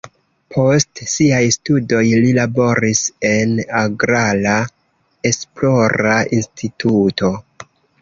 Post siaj studoj li laboris en agrara esplora instituto.